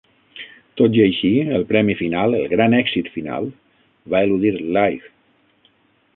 Tot i així, el premi final, el gran èxit final, va eludir Leigh.